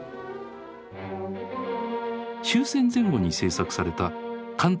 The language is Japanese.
終戦前後に製作された監督